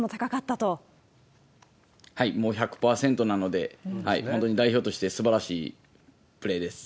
はい、もう１００％なので、本当に代表としてすばらしいプレーです。